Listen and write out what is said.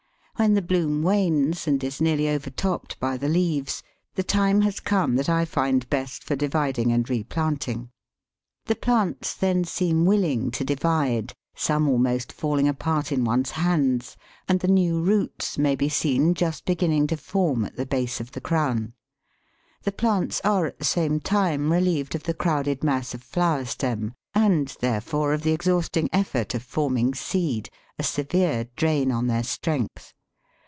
When the bloom wanes, and is nearly overtopped by the leaves, the time has come that I find best for dividing and replanting. The plants then seem willing to divide, some almost falling apart in one's hands, and the new roots may be seen just beginning to form at the base of the crown. The plants are at the same time relieved of the crowded mass of flower stem, and, therefore, of the exhausting effort of forming seed, a severe drain on their strength.